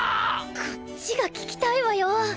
こっちが聞きたいわよ。